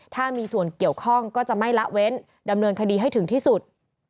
ถ้ามีส่วนเกี่ยวข้องก็จะไม่ละเว้นดำเนินคดีให้ถึงที่สุด